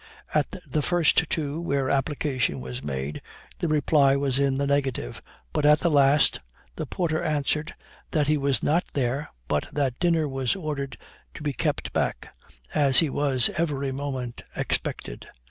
At the two first, where application was made, the reply was in the negative; but at the last, the porter answered, that 'he was not there; but that dinner was ordered to be kept back, as he was every moment expected.'